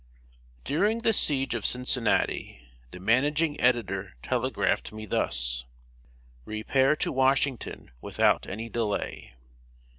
] During the siege of Cincinnati, the Managing Editor telegraphed me thus: "Repair to Washington without any delay."